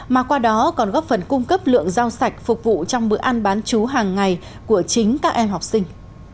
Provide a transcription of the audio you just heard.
mà qua đó còn góp phần cung cấp lượng rau sạch phục vụ trong bữa ăn bán chú hàng ngày của chính các em học sinh